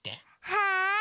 はい！